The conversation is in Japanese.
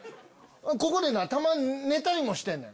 ここでなたまに寝たりもしてんねん。